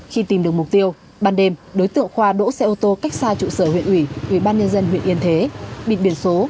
khi tìm được mục tiêu ban đêm đối tượng khoa đỗ xe ô tô cách xa trụ sở huyện ủy ủy ban nhân dân huyện yên thế bịt biển số